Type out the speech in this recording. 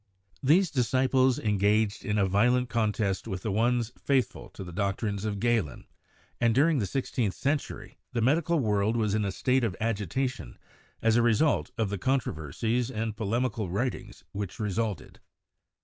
These disciples engaged in a violent contest with the ones faithful to the doctrines of Galen, and during the sixteenth century the medical world was in a state of agitation as a result of the controversies and polemical writings which resulted.